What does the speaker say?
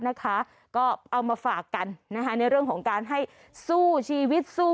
นะคะก็เอามาฝากกันนะคะในเรื่องของการให้สู้ชีวิตสู้